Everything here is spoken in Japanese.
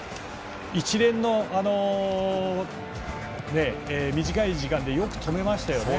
一連の短い時間でよく止めましたよね。